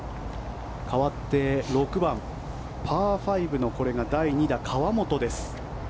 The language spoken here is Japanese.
かわって６番、パー５のこれが第２打河本です。